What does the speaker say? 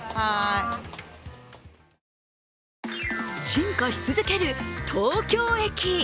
進化し続ける東京駅。